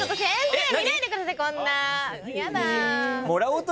見ないでくださいこんなやだ！